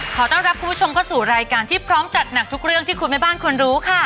ขอต้อนรับคุณผู้ชมเข้าสู่รายการที่พร้อมจัดหนักทุกเรื่องที่คุณแม่บ้านควรรู้ค่ะ